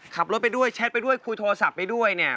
ขับรถไปด้วยแชทไปด้วยคุยโทรศัพท์ไปด้วยเนี่ย